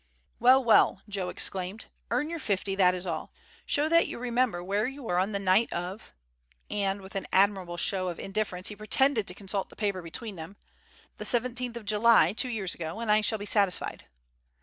"Well, well," Joe exclaimed; "earn your fifty, that is all. Show that you remember where you were on the night of" and with an admirable show of indifference he pretended to consult the paper between them "the seventeenth of July, two years ago, and I shall be satisfied."